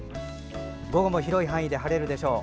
午後も広い範囲で晴れるでしょう。